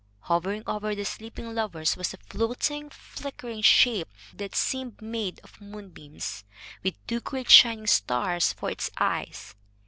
Hovering over the sleeping lovers was a floating, flickering shape that seemed made of moonbeams, with two great shining stars for its eyes.